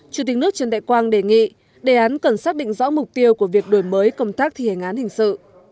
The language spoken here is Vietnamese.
chủ tịch nước trần đại quang đề nghị đề án cần xác định rõ mục tiêu của việc đổi mới công tác thi hành án hình sự